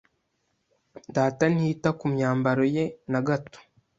Data ntiyita ku myambaro ye na gato.